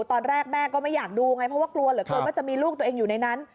ตอนแรกแม่ก็ไม่อยากดูไงเพราะว่ากลัวเหลือเกินว่าจะมีลูกตัวเองอยู่ในนั้น